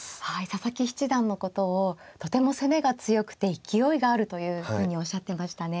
佐々木七段のことをとても攻めが強くて勢いがあるというふうにおっしゃってましたね。